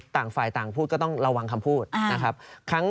ต่างฝ่ายต่างพูดก็ต้องระวังคำพูดนะครับ